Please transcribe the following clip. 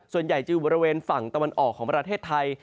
ส่วนใหญ่จะอยู่บริเวณฝั่งตะวันออกของประเทศไทย